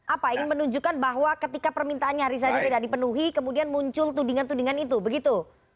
apa ingin menunjukkan bahwa ketika permintaannya hari saja tidak dipenuhi kemudian muncul tudingan tudingan itu begitu